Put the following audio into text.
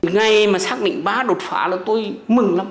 ngày mà xác định ba đột phá là tôi mừng lắm